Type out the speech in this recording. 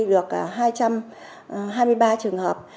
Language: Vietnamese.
được hai trăm hai mươi ba trường hợp